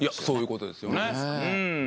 そういうことですよね。